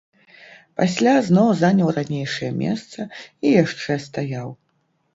Пасля зноў заняў ранейшае месца і яшчэ стаяў.